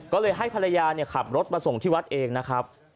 ก็เลยให้ภรรยาขับรถมาส่งที่วัดเองนะครับ